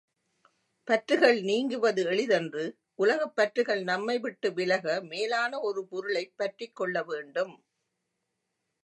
பற்றுகள் நீங்குவது எளிதன்று உலகப் பற்றுகள் நம்மைவிட்டு விலக மேலான ஒரு பொருளைப் பற்றிக் கொள்ளவேண்டும்.